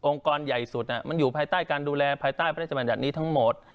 กรใหญ่สุดมันอยู่ภายใต้การดูแลภายใต้พระราชบัญญัตินี้ทั้งหมด